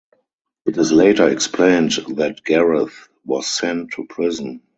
It is later explained that Gareth was sent to prison.